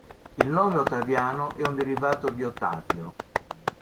Il nome Ottaviano è un derivato di Ottavio.